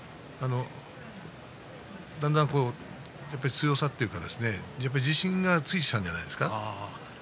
だんだん強さというか自信がついてきたんじゃないでしょうか。